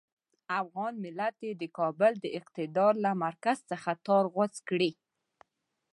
افغان ملت دې د کابل د اقتدار له مرکز څخه تار غوڅ کړي.